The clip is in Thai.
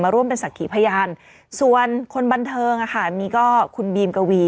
มาร่วมเป็นศักดิ์ผยานส่วนคนบันเทิงอะค่ะมีก็คุณบีมกับวี